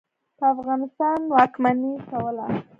په افغانستان واکمني کوله.